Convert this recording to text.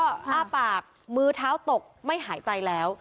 อ้าปากมือเท้าตกไม่หายใจแล้ว